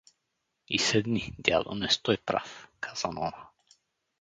— И седни, дядо, не стой прав — каза Нона.